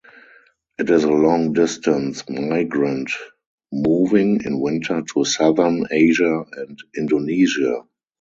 It is a long-distance migrant moving in winter to southern Asia and Indonesia.